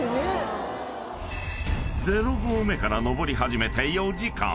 ［０合目から登り始めて４時間］